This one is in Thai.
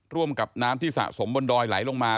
ร่วมกับน้ำที่สะสมบนดอยไหลลงมา